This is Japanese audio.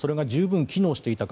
それが十分機能していたか。